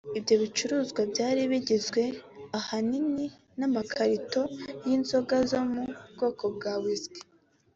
Ibyo bicuruzwa byari bigizwe ahanini n’amakarito y’inzoga zo mu bwoko bwa Whisky